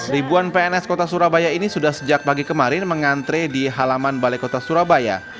ribuan pns kota surabaya ini sudah sejak pagi kemarin mengantre di halaman balai kota surabaya